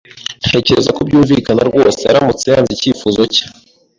Ntekereza ko byumvikana rwose aramutse yanze icyifuzo cye.